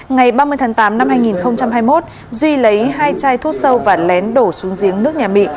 ngày ba mươi tháng tám năm hai nghìn hai mươi một duy lấy hai chai thuốc sâu và lén đổ xuống giếng nước nhà mị